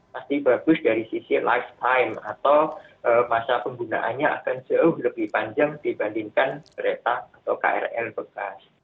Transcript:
pasti bagus dari sisi lifetime atau masa penggunaannya akan jauh lebih panjang dibandingkan kereta atau krl bekas